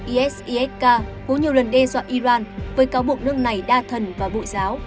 isisk vốn nhiều lần đe dọa iran với cáo buộc nước này đa thần và bội giáo